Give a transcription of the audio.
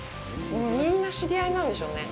もうみんな、知り合いなんでしょうね。